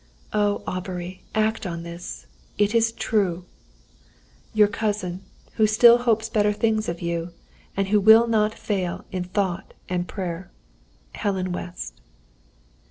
"Oh, Aubrey, act on this! It is true. "Your cousin, who still hopes better things of you, and who will not fail in thought and prayer, "HELEN WEST."